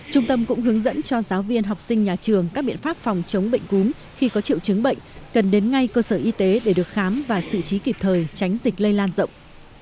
trung tâm cũng hướng dẫn cho giáo viên học sinh nhà trường các biện pháp phòng chống bệnh cúm khi có triệu chứng bệnh cần đến ngay cơ sở y tế để được khám và sự trí kịp thời tránh dịch lây lan rộng